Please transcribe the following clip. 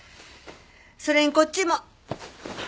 それにこっちも。